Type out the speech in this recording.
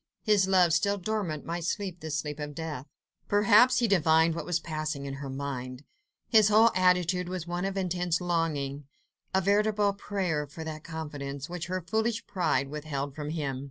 His love still dormant might sleep the sleep of death. Perhaps he divined what was passing in her mind. His whole attitude was one of intense longing—a veritable prayer for that confidence, which her foolish pride withheld from him.